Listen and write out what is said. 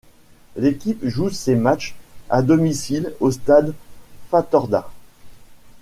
L'équipe joue ces matchs à domicile au Stade Fatorda.